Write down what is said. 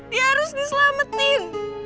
dia harus diselamatin